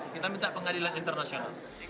saya minta pengadilan internasional